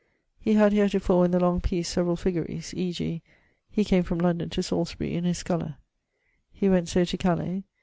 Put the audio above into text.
He had heretofore in the long peace severall figgaries, e.g. he came from London to Salisbury in his skuller. He went so to Calais.